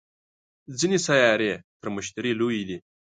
ځینې سیارې تر مشتري لویې دي